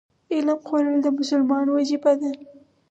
علم خورل د مسلمان وجیبه ده.